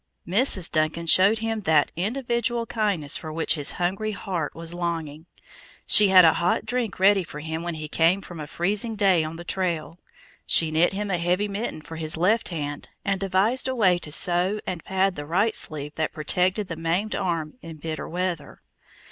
Mrs. Duncan showed him that individual kindness for which his hungry heart was longing. She had a hot drink ready for him when he came from a freezing day on the trail. She knit him a heavy mitten for his left hand, and devised a way to sew and pad the right sleeve that protected the maimed arm in bitter weather.